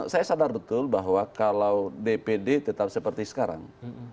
saya sadar betul bahwa kalau dpd tetap seperti sekarang